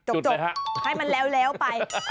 จบให้มันแล้วไป